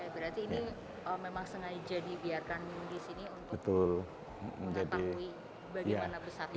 berarti ini memang sengaja dibiarkan di sini untuk mengetahui bagaimana besarnya